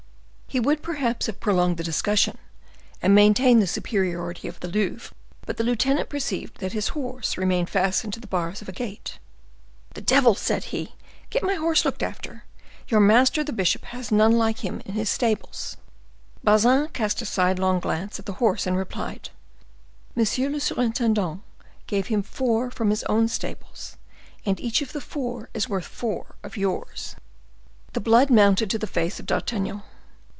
He would perhaps have prolonged the discussion, and maintained the superiority of the Louvre, but the lieutenant perceived that his horse remained fastened to the bars of a gate. "The devil!" said he. "Get my horse looked after; your master the bishop has none like him in his stables." Bazin cast a sidelong glance at the horse, and replied, "Monsieur le surintendant gave him four from his own stables; and each of the four is worth four of yours." The blood mounted to the face of D'Artagnan.